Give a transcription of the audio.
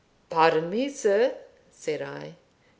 "Pardon me, sir," said I.